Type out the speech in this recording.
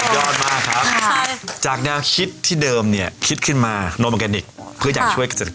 ยอดมากครับจากแนวคิดที่เดิมเนี่ยคิดขึ้นมาโนอร์แกนิคเพื่ออยากช่วยเกษตร